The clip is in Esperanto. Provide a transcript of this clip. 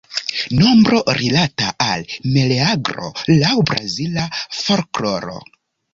Nombro rilata al Meleagro laŭ Brazila folkloro.